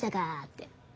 って。